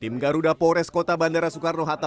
tim garuda polres kota bandara soekarno hatta